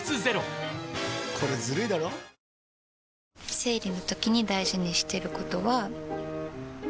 生理のときに大事にしてることは。